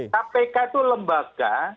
kpk itu lembaga